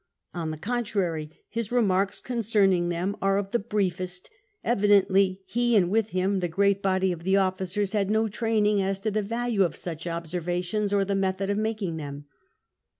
On the contrary, his remarks concerning them are of the briefest; evidently ho, and with him the great body oi the officers, had no training as to the value of such observations or the method of making them.